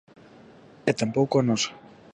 E tampouco a nosa.